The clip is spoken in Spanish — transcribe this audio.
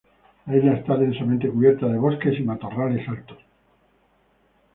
La isla está densamente cubierta de bosques y matorrales altos.